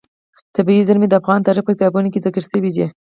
طبیعي زیرمې د افغان تاریخ په کتابونو کې ذکر شوی دي.